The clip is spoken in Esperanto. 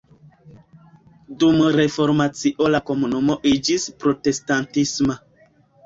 Dum Reformacio la komunumo iĝis protestantisma.